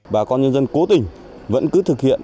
bà con nhân dân cố tình vẫn cứ thực hiện